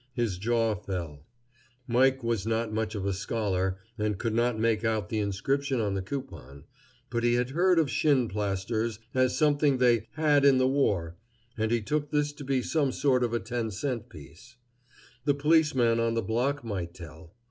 His jaw fell. Mike was not much of a scholar, and could not make out the inscription on the coupon; but he had heard of shin plasters as something they "had in the war," and he took this to be some sort of a ten cent piece. The policeman on the block might tell.